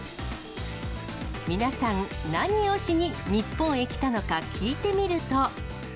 皆さん、何をしに日本へ来たのか聞いてみると。